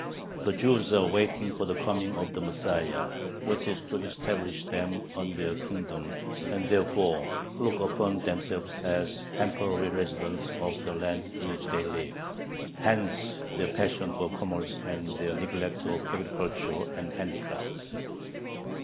The Jews "are waiting for the coming of the Messiah, who is to establish them in their kingdom," and therefore "look upon themselves as temporary residents of the land in which they live." Hence their passion for commerce and their neglect of agriculture and handicrafts.